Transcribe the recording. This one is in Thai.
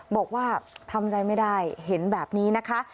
บอกว่าทำใจไม่ได้เห็นแบบนี้นะคะ